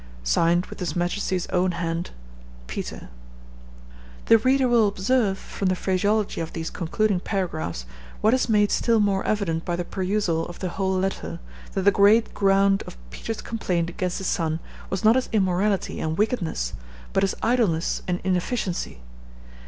"(Signed with his majesty's own hand), "PETER." The reader will observe, from the phraseology of these concluding paragraphs, what is made still more evident by the perusal of the whole letter, that the great ground of Peter's complaint against his son was not his immorality and wickedness, but his idleness and inefficiency.